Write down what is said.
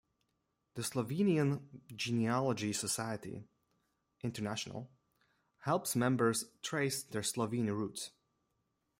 The Slovenian Genealogy Society, International helps members trace their Slovene roots.